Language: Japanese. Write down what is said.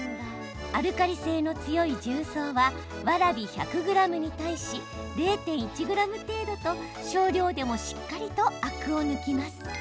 アルカリ性の強い重曹はわらび１００ｇに対し０．１ｇ程度と少量でもしっかりとアクを抜きます。